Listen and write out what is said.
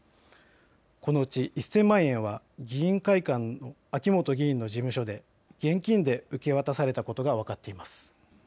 このうち１０００万円は議員会館の秋本議員の事務所で現金で受け渡されていたことが分かっています。